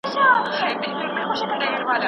په سپينه زنه